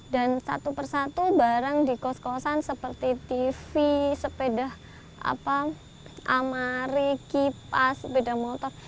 dan satu persatu barang di kos kosan seperti tv sepeda amari kipas sepeda motor